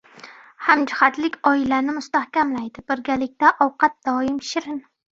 • Hamjihatlik oilani mustahkamlaydi, birgalikda ovqat doim shirin.